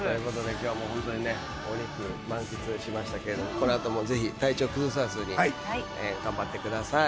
今日はもうホントにねお肉満喫しましたけれどもこの後もぜひ体調崩さずに頑張ってください。